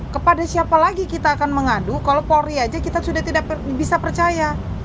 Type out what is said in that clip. kepada siapa lagi kita akan mengadu kalau polri aja kita sudah tidak bisa percaya